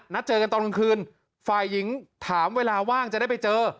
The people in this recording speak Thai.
เจอกันตอนกลางคืนฝ่ายหญิงถามเวลาว่างจะได้ไปเจอ